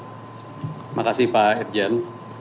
terima kasih pak erjen